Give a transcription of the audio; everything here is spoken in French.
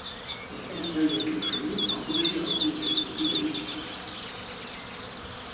On conseille à Katherine d'embaucher un privé pour démêler cette affaire.